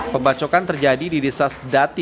pembacokan terjadi di desa sedati